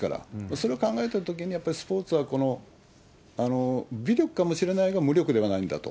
それを考えたときに、やっぱりスポーツは微力かもしれないが、無力ではないんだと。